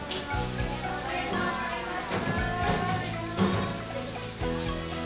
ありがとうございます。